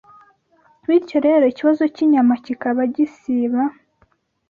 Bityo rero, ikibazo cy’inyama kikaba gisaba